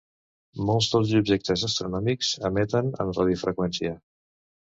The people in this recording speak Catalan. Molts dels objectes astronòmics emeten en radiofreqüència.